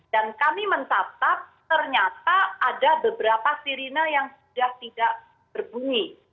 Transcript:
dan kami mencatat ternyata ada beberapa sirine yang sudah tidak berbunyi